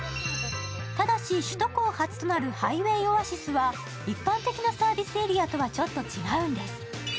ただし首都高発となるハイウェイオアシスは一般的なサービスエリアとはちょっと違うんです。